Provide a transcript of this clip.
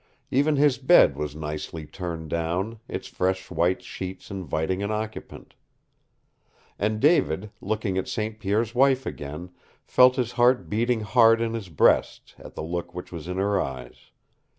Even his bed was nicely turned down, its fresh white sheets inviting an occupant! And David, looking at St. Pierre's wife again, felt his heart beating hard in his breast at the look which was in her eyes.